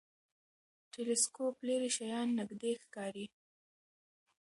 ټلسکوپ لرې شیان نږدې ښکاري.